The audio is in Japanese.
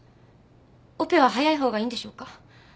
オペは早いほうがいいんでしょうか？